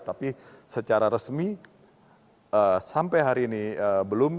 tapi secara resmi sampai hari ini belum